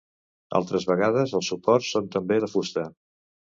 Altres vegades els suports són també de fusta.